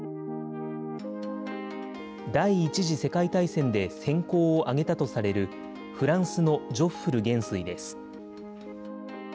第１次世界大戦で戦功を挙げたとされる、フランスのジョッフル元帥です。